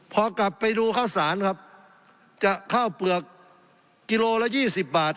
พอกลับไปดูข้าวสารครับจะข้าวเปลือกกิโลละยี่สิบบาท